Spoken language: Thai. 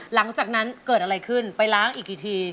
หลังจากนั้นเกิดอะไรขึ้นไปล้างอีกกี่ที